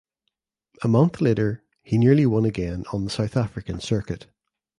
A month later he nearly won again on the South African circuit.